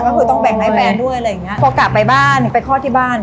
ก็คือต้องแบ่งให้แฟนด้วยอะไรอย่างเงี้ยพอกลับไปบ้านไปคลอดที่บ้าน